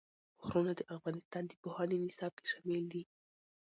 غرونه د افغانستان د پوهنې نصاب کې شامل دي.